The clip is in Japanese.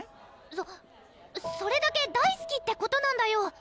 そそれだけ大すきってことなんだよ